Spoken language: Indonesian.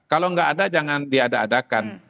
kalau nggak ada jangan diada adakan